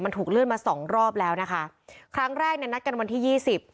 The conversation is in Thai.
มันถูกเลื่อนมาสองรอบแล้วนะคะครั้งแรกเนี่ยนัดกันวันที่ยี่สิบ